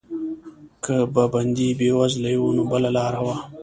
که به بندي بېوزلی و نو بله لاره وه.